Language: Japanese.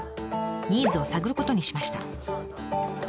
ニーズを探ることにしました。